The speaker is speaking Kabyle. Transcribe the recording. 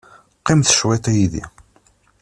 Qqimet cwiṭ yid-i.